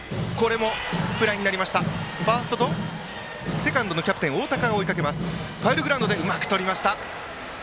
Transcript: セカンドのキャプテン大高がファウルグラウンドでうまくとりました。